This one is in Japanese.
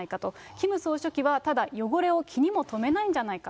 キム総書記は、ただ汚れを気にも留めないんじゃないか。